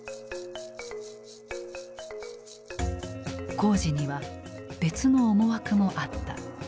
工事には別の思惑もあった。